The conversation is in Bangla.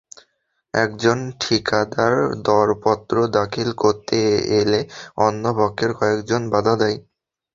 একজন ঠিকাদার দরপত্র দাখিল করতে এলে অন্য পক্ষের কয়েকজন বাধা দেয়।